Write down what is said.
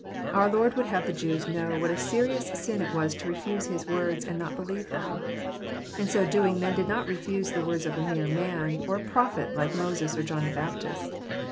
Our Lord would have the Jews know what a serious sin it was to refuse His words, and not believe them. In so doing men did not reftise the words of a mere man, or a prophet, like Moses or John the Baptist.